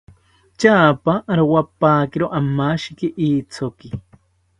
Tyapa rowapakiro amashiki ithoki